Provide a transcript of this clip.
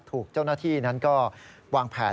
ถูกเจ้าหน้าที่นั้นก็วางแผน